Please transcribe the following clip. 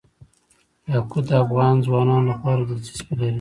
یاقوت د افغان ځوانانو لپاره دلچسپي لري.